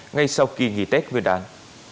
ngay sau kỳ nghỉ tết vừa đáng